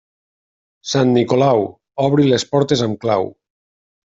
Sant Nicolau, obri les portes amb clau.